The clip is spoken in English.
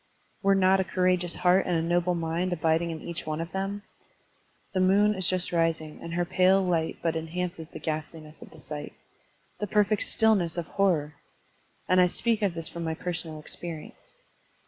Were not a courageous heart and a noble mind abiding in each one of them? The moon is just rising, and her pale light but enhances the ghast liness of the sight. The perfect stillness of hor ror! And I speak of this from my personal experience.